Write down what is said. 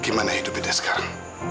gimana hidup dia sekarang